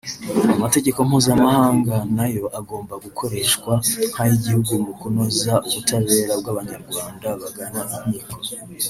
Amategeko mpuzamahanga na yo agomba gukoreshwa nk’ay’igihugu mu kunoza ubutabera bw’abanyarwanda bagana inkiko